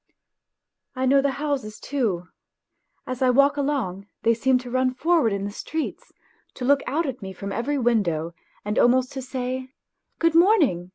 I know the houses too. As I walk along they seem to run for ward in the streets to look out at me from every window, and almost to say :" Good morning